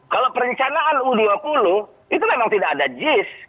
kalau perencanaan u dua puluh itu memang tidak ada jis